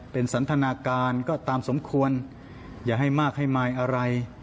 เป็นสันทนาการก็ตามสมควรอย่าให้มากให้มายอะไร